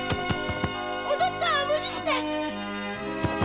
お父っつぁんは無実です！